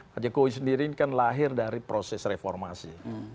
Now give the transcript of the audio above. pak jokowi sendiri ini kan lahir dari proses reformasi